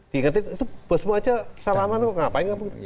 diikuti itu bosmu saja salaman kok ngapain apa gitu